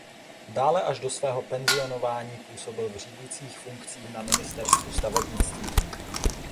Dále až do svého penzionování působil v řídicích funkcích na ministerstvu stavebnictví.